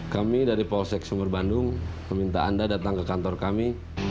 kami dari polsek sumur bandung meminta anda datang ke kantor kami